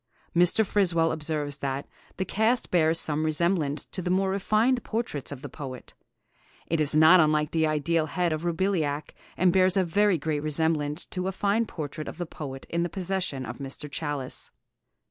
Mr. Friswell observes that 'the cast bears some resemblance to the more refined portraits of the poet. It is not unlike the ideal head of Roubillac, and bears a very great resemblance to a fine portrait of the poet in the possession of Mr. Challis.